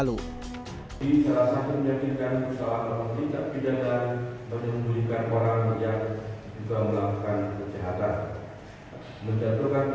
untuk tindak pidana menyembunyikan orang yang juga melakukan kejahatan menjatuhkan pidana kepada